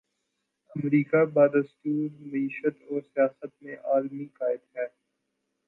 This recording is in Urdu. امریکہ بدستور معیشت اور سیاست میں عالمی قائد ہے۔